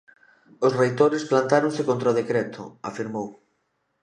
Os reitores plantáronse contra o decreto, afirmou.